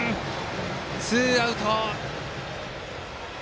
ツーアウト。